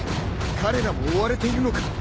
彼らも追われているのか？